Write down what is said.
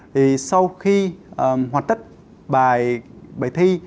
thì sau khi hoàn tất bài thi